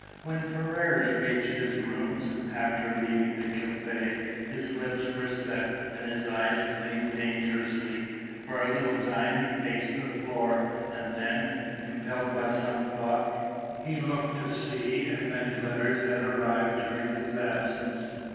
When Ferrars reached his rooms, after leaving the café, his lips were set, and his eyes gleamed dangerously, for a little time he paced the floor, and then, impelled by some thought, he looked to see if any letters had arrived during his absence.